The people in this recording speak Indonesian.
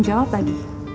ya udah mas